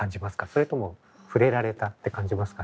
それともふれられたって感じますかね？